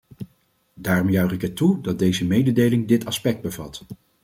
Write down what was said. Daarom juich ik het toe dat deze mededeling dit aspect bevat.